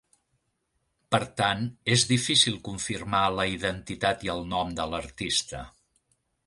Per tant, és difícil confirmar la identitat i el nom de l'artista.